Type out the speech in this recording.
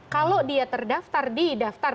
kalau dia terdaftar di daftar